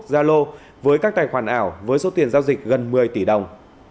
zalo với các tài khoản ảo với số tiền giao dịch gần một mươi tỷ đồng